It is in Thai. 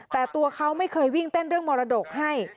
แต่ตัวเขาไม่เคยวิ่งเต้นเรื่องมรดกให้